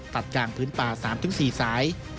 ตัดยางพื้นป่า๓๔สาย